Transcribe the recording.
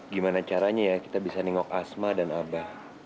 gimana caranya ya kita bisa nengok asma dan abah